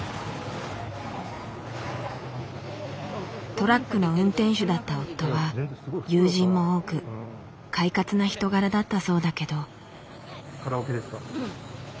トラックの運転手だった夫は友人も多く快活な人柄だったそうだけど。